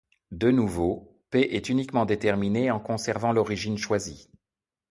De nouveau, P est uniquement déterminé en conservant l'origine choisie.